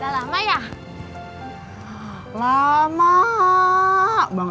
apa yang achter sekarang